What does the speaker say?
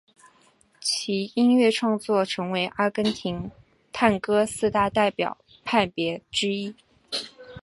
其音乐创作成为阿根廷探戈四大代表派别之一。